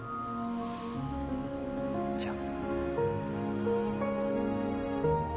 じゃあ。